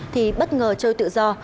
thì bất ngờ trôi tự do